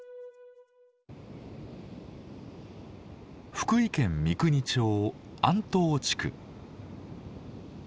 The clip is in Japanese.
福井県三国町安島地区。